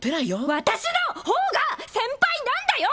私の方が先輩なんだよ！